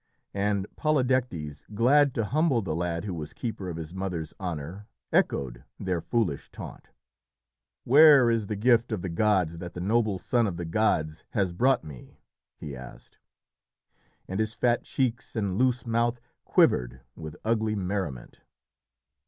And Polydectes, glad to humble the lad who was keeper of his mother's honour, echoed their foolish taunt. "Where is the gift of the gods that the noble son of the gods has brought me?" he asked, and his fat cheeks and loose mouth quivered with ugly merriment.